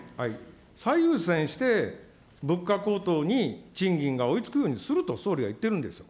最優先して、物価高騰に賃金が追いつくようにすると、総理が言ってるんですよ。